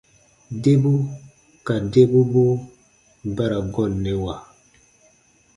Debu ka debubuu ba ra gɔnnɛwa.